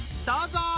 どうぞ！